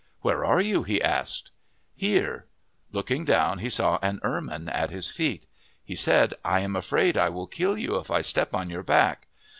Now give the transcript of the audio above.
"Where are you?" he asked. " Here." Looking down, he saw an ermine at his feet. He said, " I am afraid I will kill you if I step on your back."